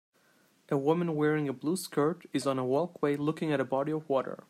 A woman wearing a blue skirt is on a walkway looking at a body of water.